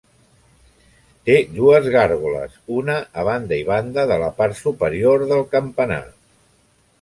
Té dues gàrgoles, una a banda i banda de la part superior del campanar.